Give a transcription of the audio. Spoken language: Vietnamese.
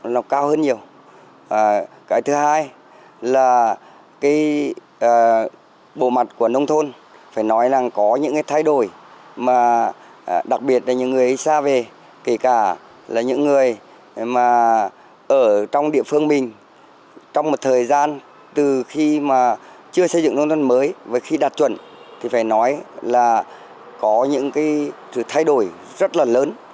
nó cao hơn nhiều cái thứ hai là bộ mặt của nông thôn phải nói là có những thay đổi đặc biệt là những người xa về kể cả là những người ở trong địa phương mình trong một thời gian từ khi mà chưa xây dựng nông thôn mới và khi đạt chuẩn thì phải nói là có những thay đổi rất là lớn